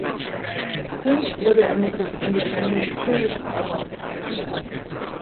Pink" wurde er mit dem "Independent Spirit Award" ausgezeichnet.